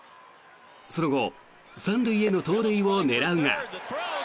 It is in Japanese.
その後３塁への盗塁を狙うが。